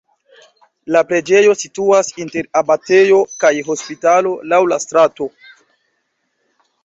La preĝejo situas inter abatejo kaj hospitalo laŭ la strato.